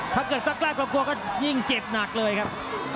ถ้าเกิดปากครับกลัวก็ยิ่งเจ็บหนักเลยครับ